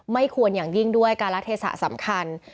ไม่ควรอย่างยิ่งด้วยการละเทศะสำคัญ